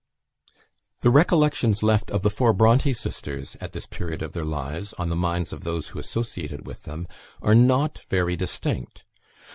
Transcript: The recollections left of the four Bronte sisters at this period of their lives, on the minds of those who associated with them, are not very distinct.